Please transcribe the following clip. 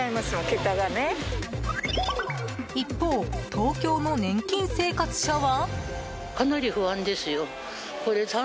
一方、東京の年金生活者は。